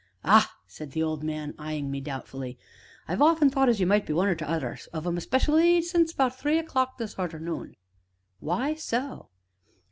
"Ah!" said the old man, eyeing me doubtfully, "I've often thought as you might be one or t' other of 'em 'specially since 'bout three o' the clock 's arternoon." "Why so?"